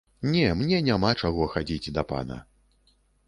Не, мне няма чаго хадзіць да пана.